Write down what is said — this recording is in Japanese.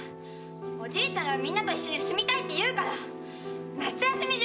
おじいちゃんがみんなと一緒に住みたいって言うから夏休み中。